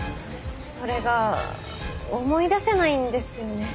それが思い出せないんですよね。